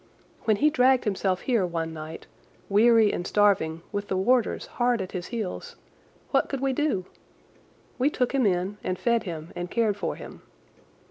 When he dragged himself here one night, weary and starving, with the warders hard at his heels, what could we do? We took him in and fed him and cared for him.